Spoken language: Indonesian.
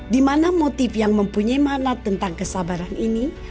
dimana motif yang mempunyai manat tentang kesabaran ini